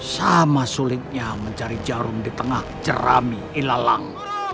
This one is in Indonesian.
sama sulitnya mencari jarum di tengah jerami ilalang